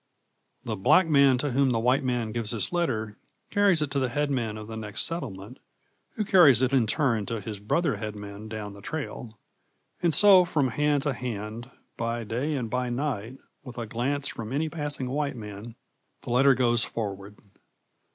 The black man to whom the white man gives his letter carries it to the headman of the next settlement, who carries it in turn to his brother headman down the trail; and so from hand to hand, by day and by night, with a glance from any passing white man, the letter goes forward.